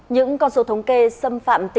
những con số thống kê xâm phạm tình dục trẻ